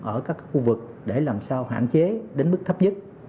ở các khu vực để làm sao hạn chế đến mức thấp nhất